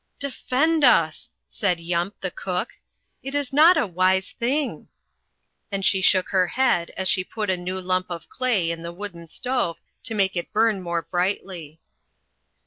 "Defend us!" said Yump, the cook. "It is not a wise thing," and she shook her head as she put a new lump of clay in the wooden stove to make it burn more brightly.